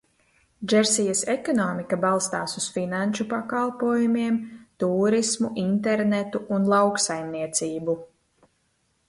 Džersijas ekonomika balstās uz finanšu pakalpojumiem, tūrismu, internetu un lauksaimniecību.